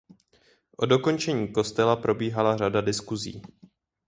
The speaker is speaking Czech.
O dokončení kostela probíhala řada diskusí.